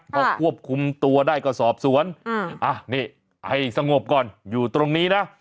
พอควบคุมตัวได้ก็สอบสวนนี่ให้สงบก่อนอยู่ตรงนี้นะ